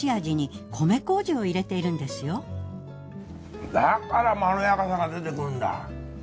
実はだからまろやかさが出てくるんだ。